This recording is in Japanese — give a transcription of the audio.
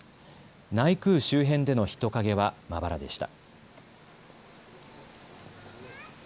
内宮周辺での人影はまばらでした。